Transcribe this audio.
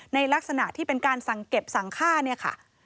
ในลักษณะที่เป็นการสั่งเก็บสั่งค่าเนี่ยค่ะ